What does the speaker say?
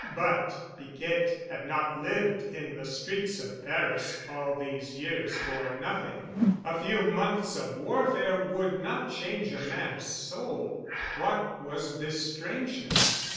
But Piquette had not lived in the streets of Paris all these years for nothing. A few months of warfare would not change a man's soul. What was this strangeness?